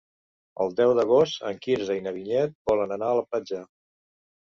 El deu d'agost en Quirze i na Vinyet volen anar a la platja.